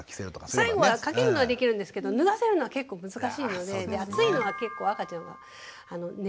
最後は掛けるのはできるんですけど脱がせるのは結構難しいので暑いのは結構赤ちゃんは眠りに落ちにくい。